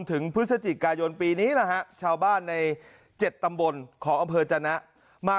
ถึงพฤศจิกายนปีนี้นะฮะชาวบ้านใน๗ตำบลของอำเภอจนะมา